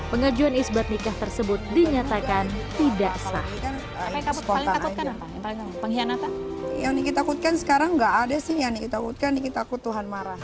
pengajuan isbat nikah tersebut dinyatakan tidak sah